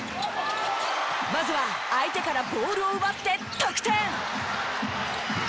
まずは相手からボールを奪って得点。